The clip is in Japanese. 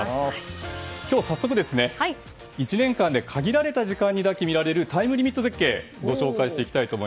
今日、早速１年間で限られた時間帯にだけ見られるタイムリミット絶景をご紹介します。